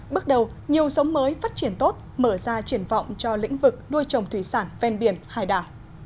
bước đầu nhiều sống mới phát triển tốt mở ra triển vọng cho lĩnh vực nuôi trồng thủy sản ven biển hải đảo